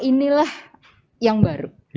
inilah yang baru